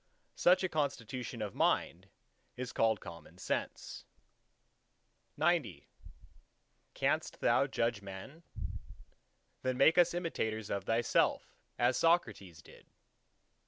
Such a constitution of the Mind is called Common Sense. XCI Canst thou judge men? ... then make us imitators of thyself, as Socrates did.